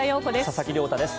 佐々木亮太です。